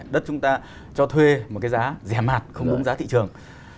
đất chúng ta cho thuê một cái giá rẻ mạt không đúng giá thị trường